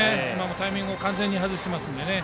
タイミングを完全に外しているので。